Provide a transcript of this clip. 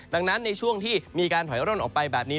ดังนั้นในช่วงที่มีการถอยร่นออกไปแบบนี้